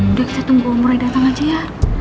udah saya tunggu umurnya datang aja ya